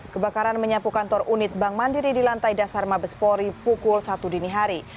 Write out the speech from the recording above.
kebakaran menyapu kantor unit bank mandiri di lantai dasar mabespori pukul satu dini hari